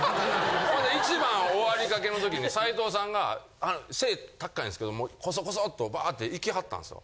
で１番終わりかけの時に斉藤さんが背高いんですけどコソコソとバーッて行きはったんすよ。